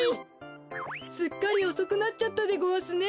すっかりおそくなっちゃったでごわすね。